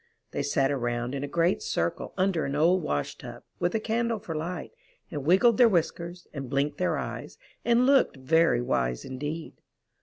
They sat around in a great circle under an old wash tub, with a candle for light, and wiggled their whiskers, and blinked their eyes, and looked very wise indeed.